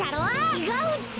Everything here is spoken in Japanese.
ちがうって！